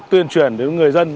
tuyên truyền đến người dân